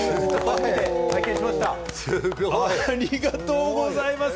ありがとうございます。